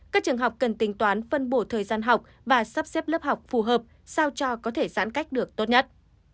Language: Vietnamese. các trường học cần tính toán phân bổ thời gian học và sắp xếp lớp học phù hợp sao cho có thể giãn cách được tốt nhất